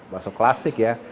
bakso klasik ya